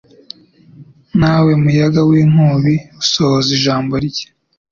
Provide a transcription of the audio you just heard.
nawe muyaga w’inkubi usohoza ijambo rye